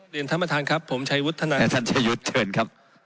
เรียนท่านประธานครับผมชายุทธนาท่านชายุทธเชิญครับ